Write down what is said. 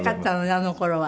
あの頃は。